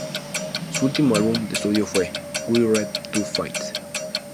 Su último álbum de estudio fue "We Ride to Fight!